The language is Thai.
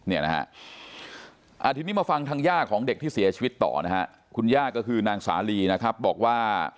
เนี่ยนะฮะทีนี้มาฟังทางย่าของเด็กที่เสียชีวิตต่อนะฮะคุณย่าก็คือนางสาลีนะครับบอกว่า